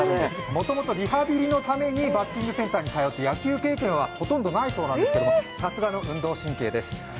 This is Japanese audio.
もともとリハビリのためにバッティングセンターに通って野球経験はほとんどないそうなんですけれども、さすがの運動神経です。